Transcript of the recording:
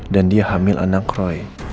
dan dia hamil anak roy